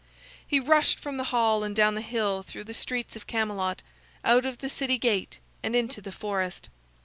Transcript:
He rushed from the hall and down the hill through the streets of Camelot, out of the city gate, and into the forest.